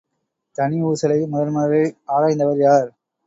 தனி ஊசலை முதன்முதலில் ஆராய்ந்தவர் யார்?